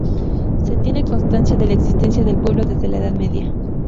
Se tiene constancia de la existencia del pueblo desde la edad media.